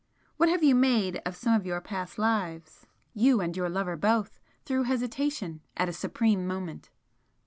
What have you made of some of your past lives you and your lover both through hesitation at a supreme moment!"